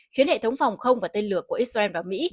khiến hệ thống phòng không và tên lửa của israel vào mỹ